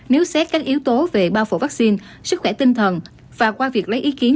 nếu xét các yếu tố về bao phủ vaccine sức khỏe tinh thần và qua việc lấy ý kiến